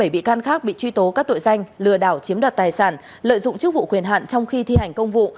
bảy bị can khác bị truy tố các tội danh lừa đảo chiếm đoạt tài sản lợi dụng chức vụ quyền hạn trong khi thi hành công vụ